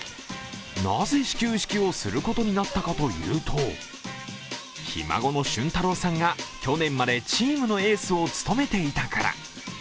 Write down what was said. なぜ始球式をすることになったのかというと、ひ孫の俊太郎さんが去年までチームのエースを務めていたから。